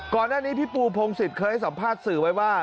ก่อนหน้านี้พี่ปูพงศิษย์เคยให้สัมภาษณ์สื่อไว้ว่า